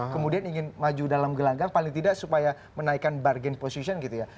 kemudian ingin maju dalam gelanggang paling tidak supaya menaikkan bargain position gitu ya